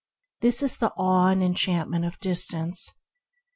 This is the awe and enchantment of distance.